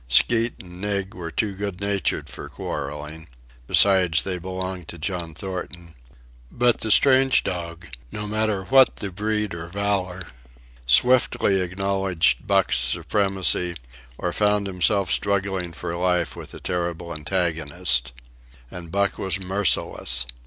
Skeet and Nig were too good natured for quarrelling,—besides, they belonged to John Thornton; but the strange dog, no matter what the breed or valor, swiftly acknowledged Buck's supremacy or found himself struggling for life with a terrible antagonist. And Buck was merciless.